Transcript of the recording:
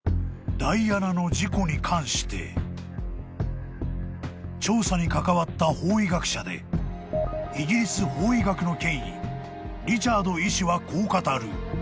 ［ダイアナの事故に関して調査に関わった法医学者でイギリス法医学の権威リチャード医師はこう語る］